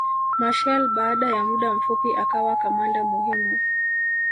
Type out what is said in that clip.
Machel baada ya muda mfupi akawa kamanda muhimu